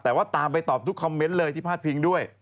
แต่ว่าตามไปตอบทุกคอมเมนต์เลยที่พาดพิงด้วย